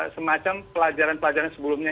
semacam pelajaran pelajaran sebelumnya